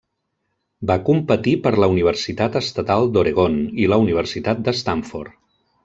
Va competir per la Universitat Estatal d'Oregon i la Universitat de Stanford.